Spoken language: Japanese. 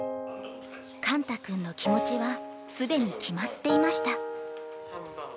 かんた君の気持ちは、すでに決まっていました。